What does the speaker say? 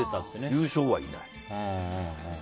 優勝はいない。